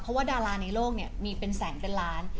เพราะว่าดาราในโลกเนี่ยมีเป็นแสนเป็นล้าน